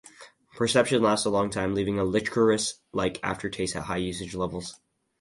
Perception lasts a long time, leaving a liquorice-like aftertaste at high usage levels.